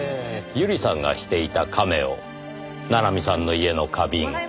百合さんがしていたカメオ七海さんの家の花瓶。